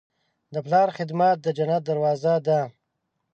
د پلار خدمت د جنت دروازه ده.